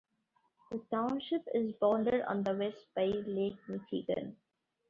The township is bounded on the west by Lake Michigan.